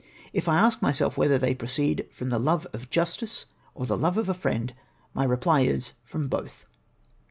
If I ask myself whether they proceed from the love of justice, or the love of a friend, my reply is, from both.